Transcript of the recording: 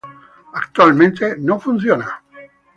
Actualmente no funciona.